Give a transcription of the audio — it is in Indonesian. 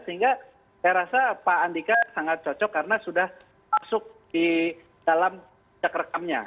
sehingga saya rasa pak andika sangat cocok karena sudah masuk di dalam jak rekamnya